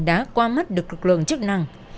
đã qua mắt được lực lượng chức năng